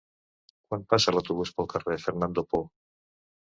Quan passa l'autobús pel carrer Fernando Poo?